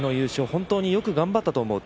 本当によく頑張ったと思う。